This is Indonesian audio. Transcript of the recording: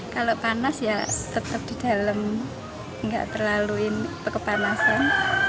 kalau panas ya tetap di dalam enggak terlaluin kekepanasan